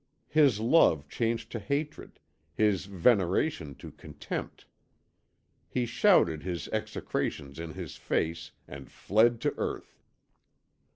His love changed to hatred, his veneration to contempt. He shouted his execrations in his face, and fled to earth.